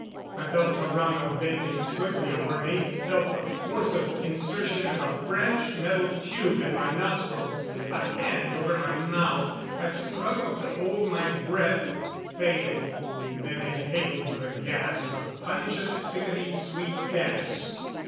I felt Tarrano bending swiftly over me; felt the forcible insertion of a branched metal tube in my nostrils; a hand over my mouth. I struggled to hold my breath failed. Then inhaled with a gasp, a pungent, sickening sweet gas.